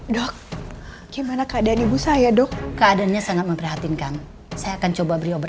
dok gimana keadaan ibu saya dok keadaannya sangat memperhatinkan saya akan coba beri obat